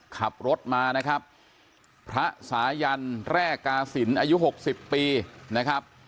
ขับรถมานะครับพระสายันแร่กาศิลป์อายุหกสิบปีนะครับ